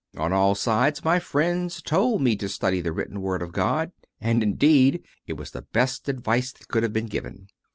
On all sides my friends told me to study the Written Word of God, and, indeed, it was the best advice that could have been given.